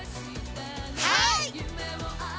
はい！